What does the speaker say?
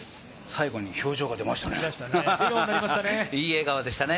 最後に表情が出ましたね。